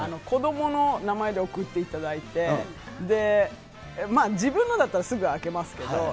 子どもの名前で送っていただいて、自分のだったらすぐ開けますけど。